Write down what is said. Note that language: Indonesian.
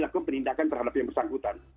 dan juga penindakan terhadap yang bersangkutan